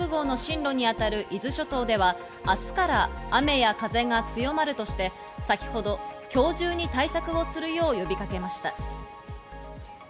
気象庁は大型で非常に強い台風１６号の進路に当たる伊豆諸島では明日から雨や風が強まるとして先ほど今日中に対策をするよう呼びかけました。